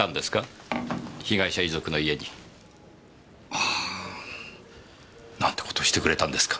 はあ。なんて事してくれたんですか！？